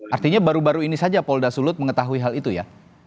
artinya baru baru ini saja polda sulut mengetahui hal itu ya